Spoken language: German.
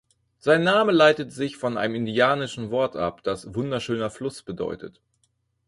Sein Name leitet sich von einem indianischen Wort ab, das „wunderschöner Fluss“ bedeutet.